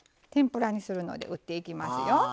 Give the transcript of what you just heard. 天ぷらにするので打っていきますよ。